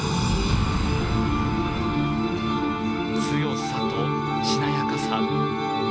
強さとしなやかさ。